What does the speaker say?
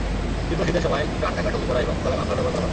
তীব্র শীতের সময় কান-ঢাকা টুপি পরা এবং গলায় মাফলার ব্যবহার করা ভালো।